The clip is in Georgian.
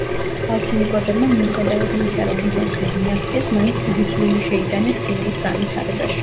ალქიმიკოსებმა, მიუხედავად იმისა, რომ მიზანს ვერ მიაღწიეს, მაინც დიდი წვლილი შეიტანეს ქიმიის განვითარებაში.